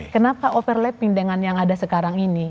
kenapa overlapping dengan yang ada sekarang ini